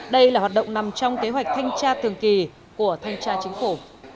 đây là hoạt động nằm trong kế hoạch thanh tra thường kỳ của thanh tra chính phủ